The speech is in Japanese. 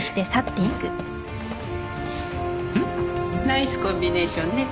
ナイスコンビネーションね